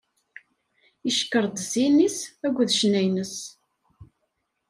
Icekkeṛ-d zzin-is akked ccna-ines.